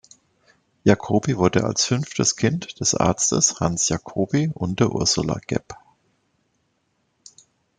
Jacobi wurde als fünftes Kind des Arztes Hans Jacobi und der Ursula geb.